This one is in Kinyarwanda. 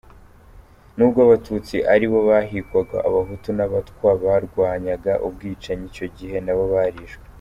Nubwo Abatutsi aribo bahigwaga, Abahutu n’Abatwa barwanyaga ubwicanyi icyo gihe nabo barishwe.”